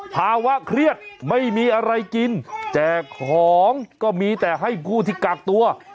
ภาวะเครียดไม่มีอะไรกินแจกของก็มีแต่ให้ผู้ที่กักตัว